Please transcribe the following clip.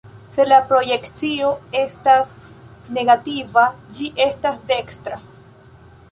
Se la projekcio estas negativa, ĝi estas dekstra.